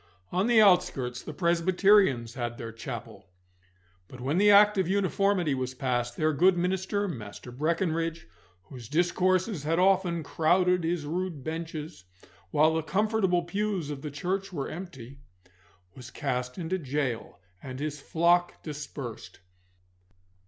On the outskirts the Presbyterians had their chapel; but when the Act of Uniformity was passed, their good minister, Master Breckinridge, whose discourses had often crowded his rude benches while the comfortable pews of the church were empty, was cast into gaol, and his flock dispersed.